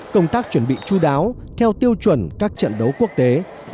công tác chuẩn bị chú đáo theo tiêu chuẩn các trận đấu quốc tế